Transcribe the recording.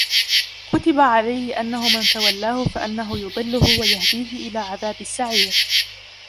كُتِبَ عَلَيْهِ أَنَّهُ مَنْ تَوَلَّاهُ فَأَنَّهُ يُضِلُّهُ وَيَهْدِيهِ إِلَى عَذَابِ السَّعِيرِ